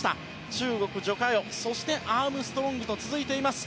中国、ジョ・カヨそしてアームストロングと続いています。